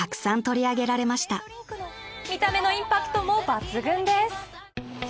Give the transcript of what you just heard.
「見た目のインパクトも抜群です」